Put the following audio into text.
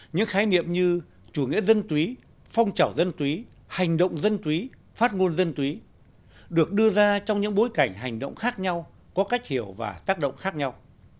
những khái niệm như chủ nghĩa dân túy phong trào dân túy hành động dân túy phát ngôn dân túy được đưa ra trong những bối cảnh hành động khác nhau có cách hiểu và tác động khác nhau